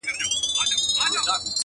ویل خلاص مي کړې له غمه انعام څه دی٫